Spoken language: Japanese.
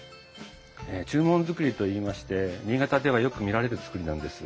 中門造りといいまして新潟ではよく見られる造りなんです。